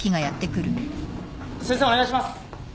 先生お願いします。